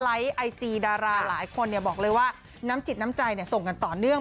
ไอจีดาราหลายคนบอกเลยว่าน้ำจิตน้ำใจส่งกันต่อเนื่อง